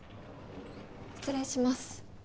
失礼します。